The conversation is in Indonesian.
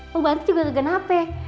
pembantu juga gak kenapa